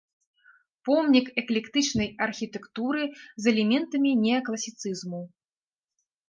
Помнік эклектычнай архітэктуры з элементамі неакласіцызму.